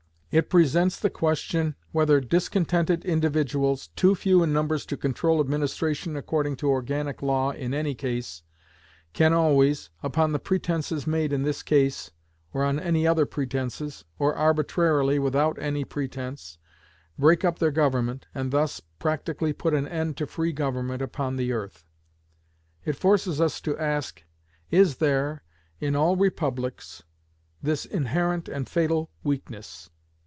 It presents the question whether discontented individuals, too few in numbers to control administration according to organic law in any case, can always, upon the pretenses made in this case, or on any other pretenses, or arbitrarily, without any pretense, break up their Government, and thus practically put an end to free government upon the earth. It forces us to ask, 'Is there, in all Republics, this inherent and fatal weakness?